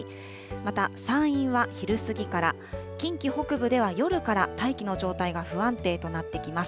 また、山陰は昼過ぎから、近畿北部では夜から大気の状態が不安定となってきます。